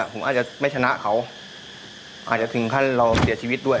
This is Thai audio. ผมอาจจะไม่ชนะเขาอาจจะถึงขั้นเราเสียชีวิตด้วย